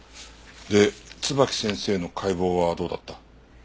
で椿木先生の解剖はどうだった？